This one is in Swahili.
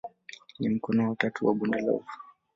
Ni mkono wa tatu wa bonde la ufa.